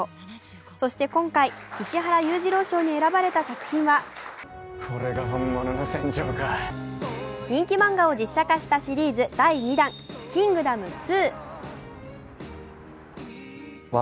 そして今回、石原裕次郎賞に選ばれた作品は人気漫画を実写化したシリーズ第２弾、「キングダム２」。